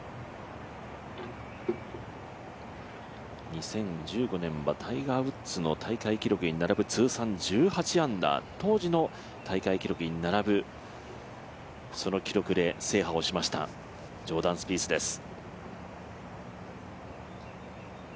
２０１５年はタイガー・ウッズの大会記録に並ぶ通算１８アンダー、当時の大会記録に並ぶ記録で制覇をしましたジョーダン・スピースです。